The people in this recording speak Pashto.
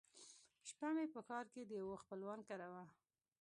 شپه مې په ښار کښې د يوه خپلوان کره وه.